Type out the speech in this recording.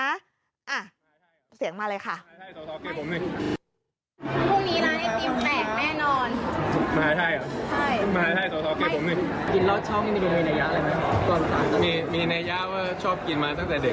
เสียงมาเลยค่ะ